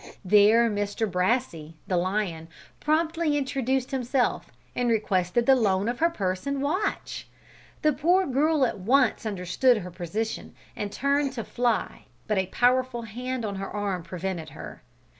There Mr Brassey, the lion, promptly introduced himself, and requested the loan of her purse and watch! The poor girl at once understood her position, and turned to fly, but a powerful hand on her arm prevented her.